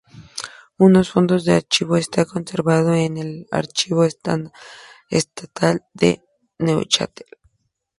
Unos fondos de archivo está conservado en el Archivo estatal de Neuchâtel.